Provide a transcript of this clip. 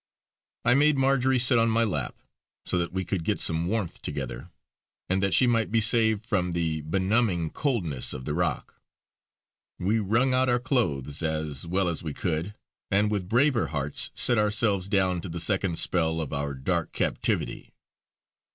I made Marjory sit on my lap, so that we could get some warmth together, and that she might be saved from the benumbing coldness of the rock. We wrung out our clothes as well as we could, and with braver hearts set ourselves down to the second spell of our dark captivity.